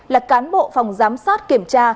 là cán bộ phòng giám sát kiểm tra